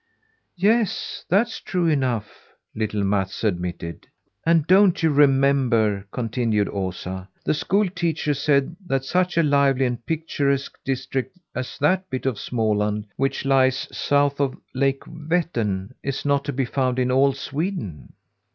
"Yes, that's true enough," little Mats admitted. "And don't you remember," continued Osa, "the school teacher said that such a lively and picturesque district as that bit of Småland which lies south of Lake Vettern is not to be found in all Sweden?